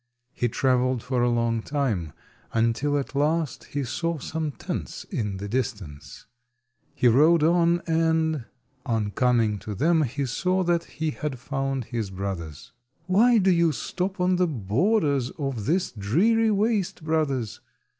He travelled for a long time, until at last he saw some tents in the distance. He rode on, and on coming to them he saw that he had found his brothers. "Why do you stop on the borders of this dreary waste, brothers?"